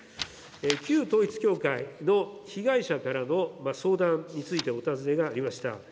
旧統一教会の被害者からの相談についてお尋ねがありました。